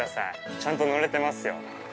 ちゃんと乗れてますよ。